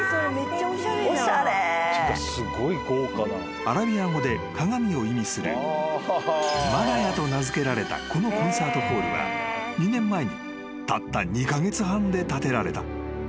［アラビア語で鏡を意味するマラヤと名付けられたこのコンサートホールは２年前にたった２カ月半で建てられた］